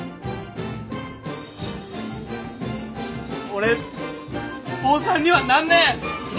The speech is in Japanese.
俺坊さんにはなんねえ！